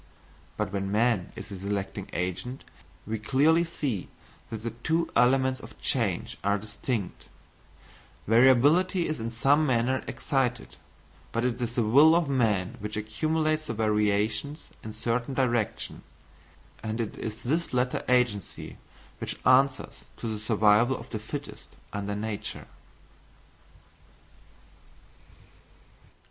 But when man is the selecting agent, we clearly see that the two elements of change are distinct; variability is in some manner excited, but it is the will of man which accumulates the variations in certain direction; and it is this latter agency which answers to the survival of the fittest under nature.